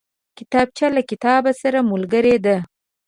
کتابچه له کتاب سره ملګرې ده